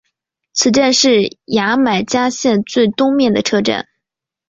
此站是牙买加线最东面的车站。